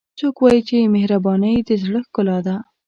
څوک وایي چې مهربانۍ د زړه ښکلا ده